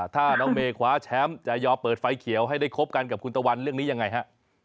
ถ้าน้องเมย์คว้าแชมป์จะยอมเปิดไฟเขียวให้ได้คบกันกับคุณตะวันเรื่องนี้ยังไงฮะ